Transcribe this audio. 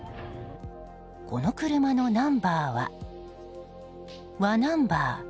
この車のナンバーはわナンバー。